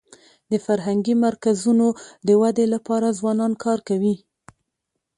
د فرهنګي مرکزونو د ودي لپاره ځوانان کار کوي.